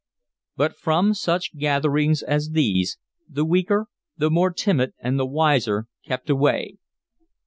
But from such gatherings as these, the weaker, the more timid and the wiser kept away.